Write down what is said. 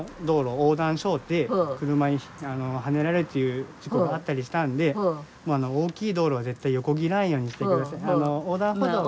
道路横断しょうて車にはねられるという事故があったりしたんで大きい道路は絶対横切らんようにしてください。